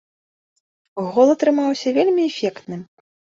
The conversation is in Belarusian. Гол атрымаўся вельмі эфектным.